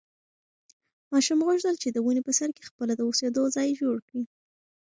ماشوم غوښتل چې د ونې په سر کې خپله د اوسېدو ځای جوړ کړي.